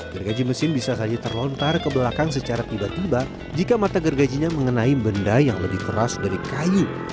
gergaji mesin bisa saja terlontar ke belakang secara tiba tiba jika mata gergajinya mengenai benda yang lebih keras dari kayu